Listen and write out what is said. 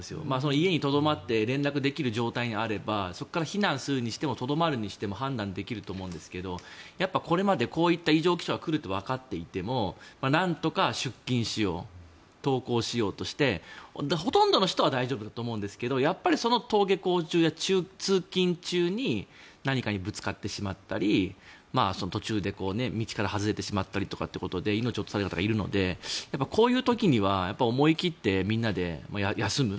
家にとどまって連絡できる状態にあればそこから避難するにしてもとどまるにしても判断できると思うんですがこれまでこういった異常気象が来るとわかっていてもなんとか出勤しよう登校しようとしてほとんどの人は大丈夫だと思うんですがやっぱり登校途中とか通勤途中で何かにぶつかってしまったり途中で、道から外れてしまったりということで命を落とされる方がいるのでこういう時には思い切ってみんなで休む。